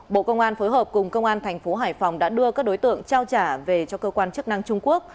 bộ công an phối hợp cùng công an tp hcm đã đưa các đối tượng trao trả về cho cơ quan chức năng trung quốc